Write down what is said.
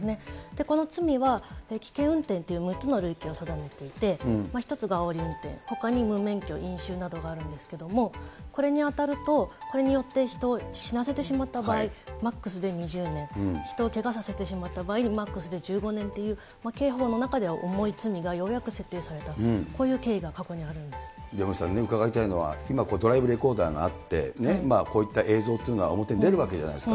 この罪は危険運転という６つのるい刑を定めていて、１つがあおり運転、ほかに無免許、飲酒などがあるんですけれども、これに当たると、これによって人を死なせてしまった場合、マックスで２０年、人をけがさせた場合でマックスで１５年という、刑法の中では重い罪がようやく設定された、こういう経緯が過去に森さん、でも、伺いたいのは、ドライブレコーダーがあって、こういった映像っていうのは、表に出るわけじゃないですか。